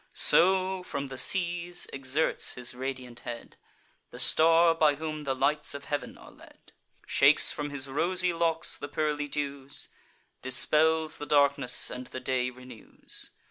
So, from the seas, exerts his radiant head The star by whom the lights of heav'n are led; Shakes from his rosy locks the pearly dews, Dispels the darkness, and the day renews.